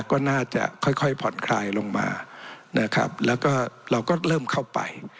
ก็น่าจะค่อยค่อยผ่อนคลายลงมานะครับแล้วก็เราก็เริ่มเข้าไป